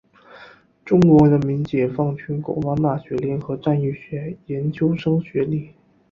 中国人民解放军国防大学联合战役学研究生学历。